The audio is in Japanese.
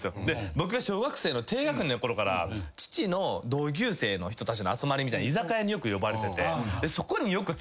僕が小学生の低学年のころから父の同級生の人たちの集まりみたいな居酒屋によく呼ばれてて。